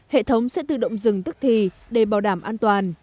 hệ thống sẽ tự động dừng tức thì để bảo đảm an toàn